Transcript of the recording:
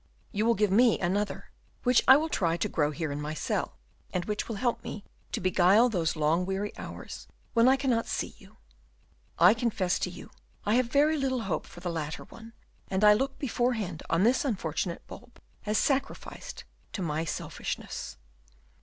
"You will give me another, which I will try to grow here in my cell, and which will help me to beguile those long weary hours when I cannot see you. I confess to you I have very little hope for the latter one, and I look beforehand on this unfortunate bulb as sacrificed to my selfishness.